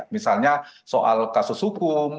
misalnya soal kasus hukum